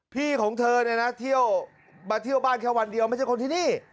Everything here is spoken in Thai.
ของเธอเนี่ยนะเที่ยวมาเที่ยวบ้านแค่วันเดียวไม่ใช่คนที่นี่